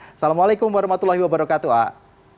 assalamualaikum warahmatullahi wabarakatuh ah